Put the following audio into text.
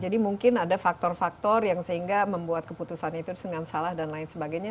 jadi mungkin ada faktor faktor yang sehingga membuat keputusan itu dengan salah dan lain sebagainya